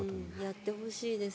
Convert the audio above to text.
やってほしいです。